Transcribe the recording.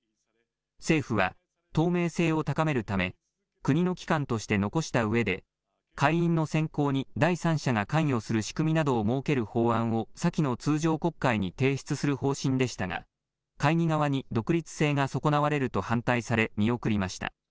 政府は透明性を高めるため国の機関として残したうえで会員の選考に第三者が関与する仕組みなどを設ける法案を先の通常国会に提出する方針でしたが会議側に独立性が損なわれると反対され見送りました。